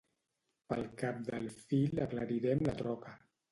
Pel cap del fil aclarirem la troca.